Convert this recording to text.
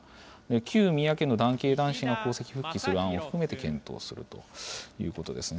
旧宮家の男系男子の皇籍復帰を検討するということですね。